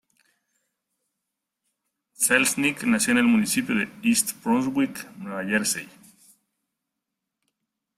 Selznick nació en el municipio de East Brunswick, Nueva Jersey.